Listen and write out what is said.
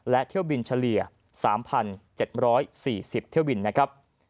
และเที่ยวบินเฉลี่ย๓๗๔๐เที่ยวบินนะครับ